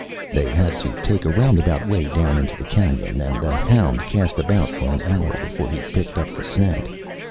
They had to take a roundabout way down into the canyon and the hound cast about for an hour before he picked up the scent.